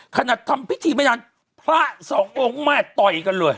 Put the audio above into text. ขณะทำพิธีบัญญาณพระสององค์แหม่อย่าต่อยกันเลย